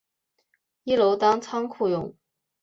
一楼当仓库用